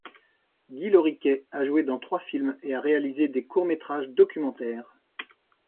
Guy Loriquet a joué dans trois films et a réalisé des courts métrages documentaires.